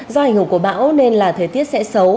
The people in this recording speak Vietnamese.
do hình hồn của bão nên là thời tiết sẽ xấu